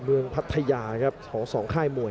พัทยาครับของสองค่ายมวย